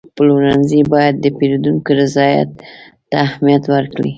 پلورنځی باید د پیرودونکو رضایت ته اهمیت ورکړي.